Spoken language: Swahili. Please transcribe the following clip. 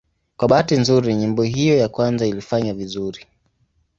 Kwa bahati nzuri nyimbo hiyo ya kwanza ilifanya vizuri.